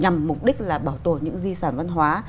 nhằm mục đích là bảo tồn những di sản văn hóa